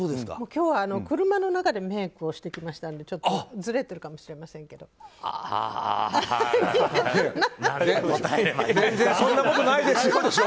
今日は車の中でメイクをしてきましたのでちょっとずれているかもしれないですけど。